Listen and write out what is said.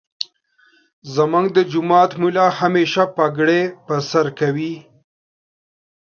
زمونږ دجماعت ملا همیشه پګړی پرسرکوی.